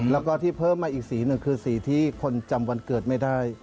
แล้วก็ที่เพิ่มมาอีกสีหนึ่งคือสีที่คนจำวันเกิดไม่ได้